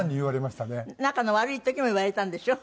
仲の悪い時も言われたんでしょ？